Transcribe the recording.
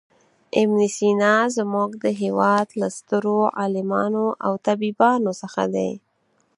ابن سینا زموږ د هېواد له سترو عالمانو او طبیبانو څخه دی.